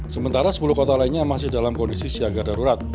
sementara sepuluh kota lainnya masih dalam kondisi siaga darurat